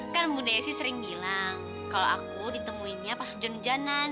kan bunda ya sih sering bilang kalau aku ditemuinya pas hujan hujanan